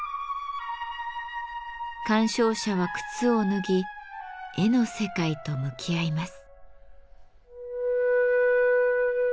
鑑賞者は靴を脱ぎ絵の世界と向き合います。